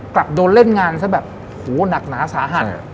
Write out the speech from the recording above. กลับโดนเล่นงานซะแบบโหหนักหนาสาหัส